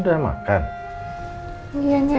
assalamu'alaikum wa rahman wabarakatuh